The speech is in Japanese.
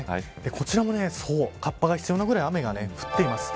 こちらもかっぱが必要なぐらい雨が降っています。